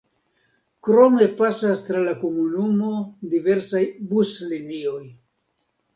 Krome pasas tra la komunumo diversaj buslinioj.